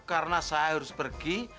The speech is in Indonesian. karena saya harus pergi